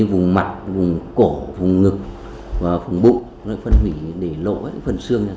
vùng mặt vùng cổ vùng ngực vùng bụng phân hủy để lộ phần xương